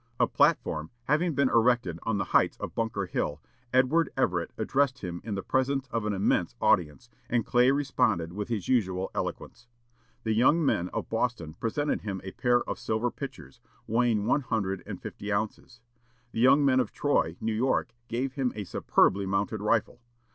A platform having been erected on the heights of Bunker Hill, Edward Everett addressed him in the presence of an immense audience, and Clay responded with his usual eloquence. The young men of Boston presented him a pair of silver pitchers, weighing one hundred and fifty ounces. The young men of Troy, New York, gave him a superbly mounted rifle.